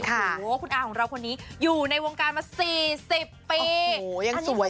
ค่ะคุณอาของเราคนนี้อยู่ในวงการมาสี่สิบปีโอ้โหยังสวย